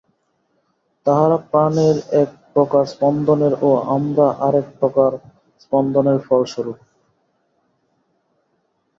তাহারা প্রাণের এক প্রকার স্পন্দনের ও আমরা আর এক প্রকার স্পন্দনের ফলস্বরূপ।